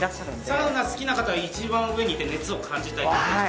サウナが好きな方は一番上に行って熱を感じれると。